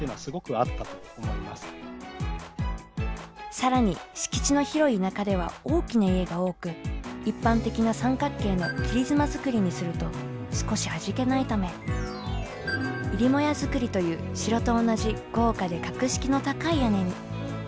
更に敷地の広い田舎では大きな家が多く一般的な三角形の切妻造りにすると少し味気ないため入母屋造りという城と同じ豪華で格式の高い屋根に。